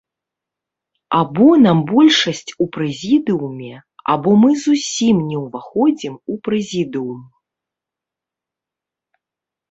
Або нам большасць у прэзідыуме, або мы зусім не ўваходзім у прэзідыум!